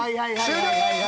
終了！